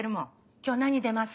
「今日何出ます？」